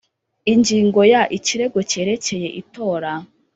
Ingingo ya Ikirego cyerekeye itora